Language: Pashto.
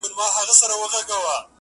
زه سینې د حیوانانو څیرومه،